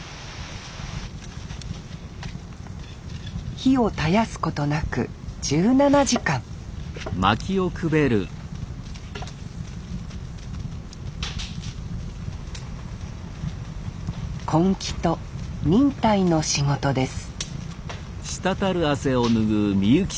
火を絶やすことなく１７時間根気と忍耐の仕事です